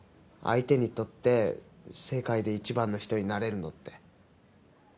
相手にとって世界で一番の人になれるのって。